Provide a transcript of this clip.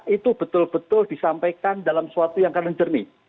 itu betul betul disampaikan dalam suatu yang kadang jernih